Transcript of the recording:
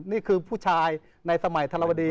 นี่คือผู้ชายในสมัยธรวดี